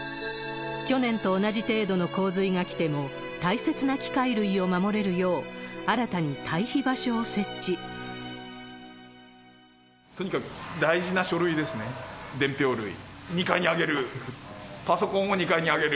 去年と同じ程度の洪水が来ても、大切な機械類を守れるよう、とにかく大事な書類ですね、伝票類、２階に上げる。